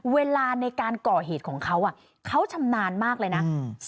เวลาในการก่อเหตุของเขาเขาชำนาญมากเลยนะ